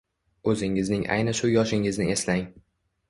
O‘zingizning ayni shu yoshingizni eslang.